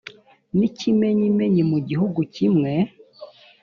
n’ikimenyimenyi mu gihugu kimwe